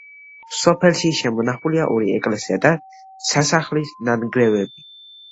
სოფელში შემონახულია ორი ეკლესია და სასახლის ნანგრევები.